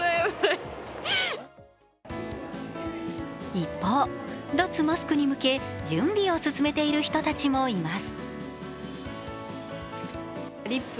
一方、脱マスクに向け準備を進めている人たちもいます。